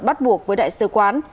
bắt buộc với đại sứ quán